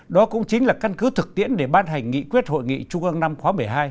đó cũng chính là căn cứ thực tiễn để ban hành nghị quyết hội nghị trung an năm khóa một mươi hai